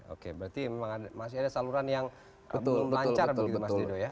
oke berarti masih ada saluran yang lancar gitu mas dodo ya